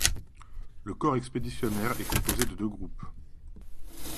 Le corps expéditionnaire est composé de deux groupes.